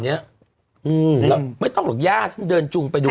เมื่อก่อนเนี่ยไม่ต้องหรอกย่าฉันเดินจุงไปดู